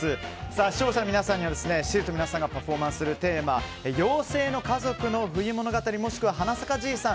視聴者の皆さんにはＳＩＬＴの皆さんがパフォーマンスするテーマ「妖精の家族の冬の物語」もしくは「はなさかじいさん」